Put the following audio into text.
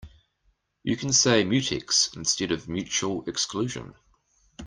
You can say mutex instead of mutual exclusion.